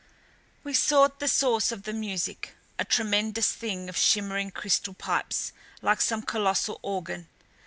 We sought the source of the music a tremendous thing of shimmering crystal pipes like some colossal organ.